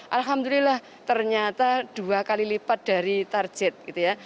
alhamdulillah ternyata dua kali lipat dari target gitu ya